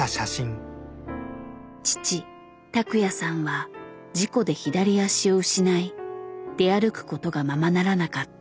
父・卓哉さんは事故で左足を失い出歩くことがままならなかった。